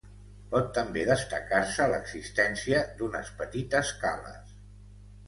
Pot també destacar-se l'existència d'unes petites cales.